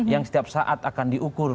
yang setiap saat akan diukur